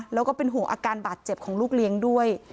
แล้วก็เป็นห่วงอาการบาดเจ็บของลูกเลี้ยงด้วย